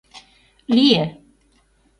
Лие.